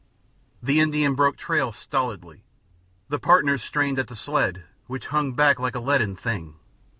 The Indian broke trail stolidly; the partners strained at the sled, which hung back like a leaden thing.